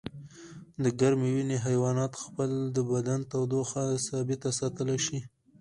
د ګرمې وینې حیوانات خپل د بدن تودوخه ثابته ساتلی شي